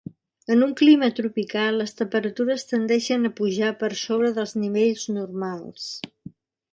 En un clima tropical, les temperatures tendeixen a pujar per sobre dels nivells normals.